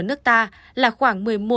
ở nước ta là khoảng